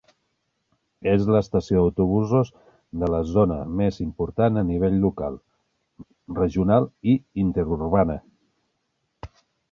És l'estació d'autobusos de la zona més important a nivell local, regional i interurbana.